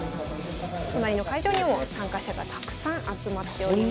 隣の会場にも参加者がたくさん集まっております。